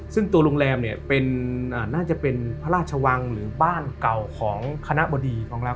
ซึ่งตัวโรงแรมเนี่ยน่าจะเป็นพระราชวังหรือบ้านเก่าของคณะบดีของเรา